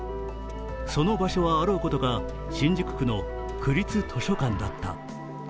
その場所はあろうことか新宿区の区立図書館だった。